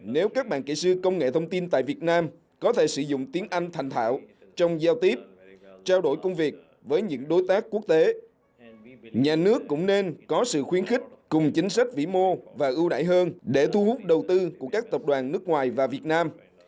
nếu các bạn kỹ sư công nghệ thông tin tại việt nam có thể sử dụng tiếng anh thành thảo trong giao tiếp trao đổi công việc với những đối tác quốc tế nhà nước cũng nên có sự khuyến khích cùng chính sách vĩ mô và ưu đại hơn để thu hút đầu tư của các tập đoàn nước ngoài và việt nam